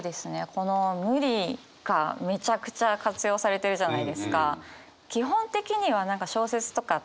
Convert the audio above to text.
この「無理」がめちゃくちゃ活用されてるじゃないですか。